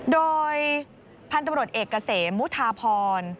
โดยพันธุ์ตำรวจเอกเกษมมุทาพร